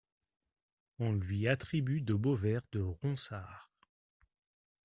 On lui attribue de beaux vers de Ronsard.